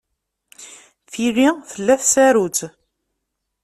Tili tella tsarut.